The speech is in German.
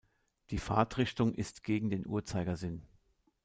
Die Fahrtrichtung ist gegen den Uhrzeigersinn.